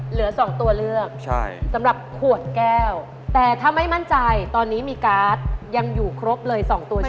เหลือสองตัวเลือกใช่สำหรับขวดแก้วแต่ถ้าไม่มั่นใจตอนนี้มีการ์ดยังอยู่ครบเลย๒ตัวช่วย